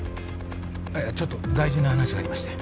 あっいやちょっと大事な話がありまして。